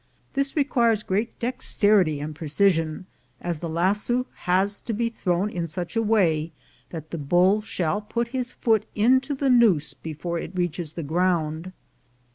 This requires great dexterity and precision, as the lasso has to be thrown in such a way that the bull shall put his foot into the noose before it reaches the ground.